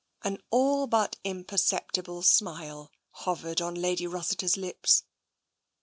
An all but imperceptible smile hovered on Lady Ros siter's lips.